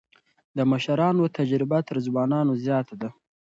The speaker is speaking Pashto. د مشرانو تجربه تر ځوانانو زياته ده.